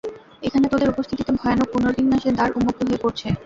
এখানে তোদের উপস্থিতিতে ভয়ানক পুনর্বিন্যাসের দ্বার উন্মুক্ত হয়ে পড়ছে।